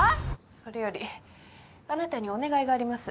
それよりあなたにお願いがあります。